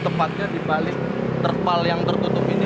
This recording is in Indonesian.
tepatnya di balik terpal yang tertutup ini